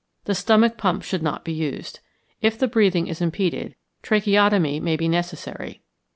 The stomach pump should not be used. If the breathing is impeded, tracheotomy may be necessary.